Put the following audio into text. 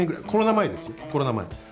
コロナ前ですよ、コロナ前。